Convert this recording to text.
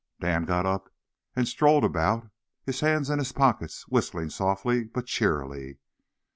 Dan got up and strolled about, his hands in his pockets, whistling softly but cheerily.